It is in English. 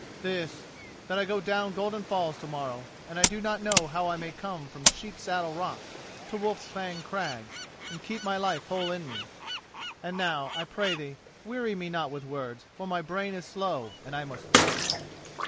"This, that I go down Golden Falls to morrow, and I do not know how I may come from Sheep saddle rock to Wolf's Fang crag and keep my life whole in me; and now, I pray thee, weary me not with words, for my brain is slow, and I must use it."